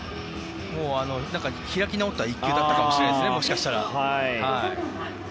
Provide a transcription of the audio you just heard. もう、開き直った１球だったかもしれませんもしかしたら。